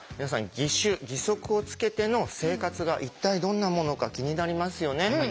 義手義足をつけての生活が一体どんなものか気になりますよね。